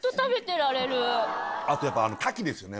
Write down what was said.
あとやっぱ。